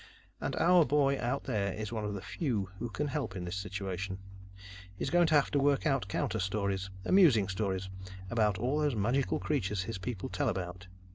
"And our boy out there is one of the few who can help in this situation. He's going to have to work out counter stories amusing stories about all those magical creatures his people tell about.